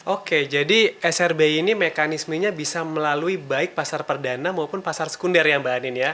oke jadi srb ini mekanismenya bisa melalui baik pasar perdana maupun pasar sekunder ya mbak anin ya